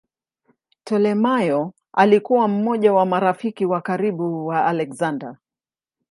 Ptolemaio alikuwa mmoja wa marafiki wa karibu wa Aleksander.